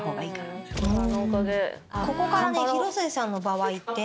ここからね広末さんの場合って。